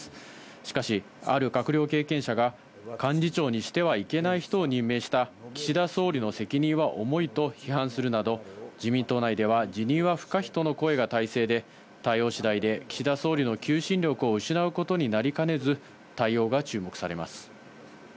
しかし、ある閣僚経験者が、幹事長にしてはいけない人を任命した岸田総理の責任は重いと批判するなど、自民党内では辞任は不可避との声が大勢で、対応しだいで岸田総理の求心力を失うことになりかねず、対応が注目されます。